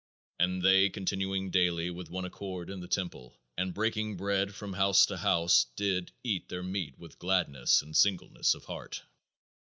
"And they, continuing daily with one accord in the temple, and breaking bread from house to house, did eat their meat with gladness and singleness of heart."